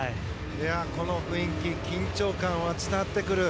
この雰囲気緊張感が伝わってくる。